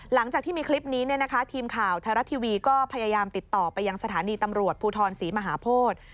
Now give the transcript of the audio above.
หลังจากที่มีคลิปนี้ทีมข่าวไทยรัฐทีวีก็พยายามติดต่อไปยังสถานีตำรวจภูทรศรีมหาโพธิ